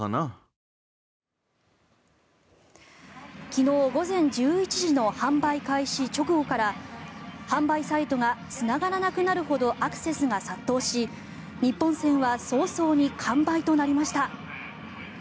昨日午前１１時の販売開始直後から販売サイトがつながらなくなるほどアクセスが殺到し日本戦は早々に完売となりました。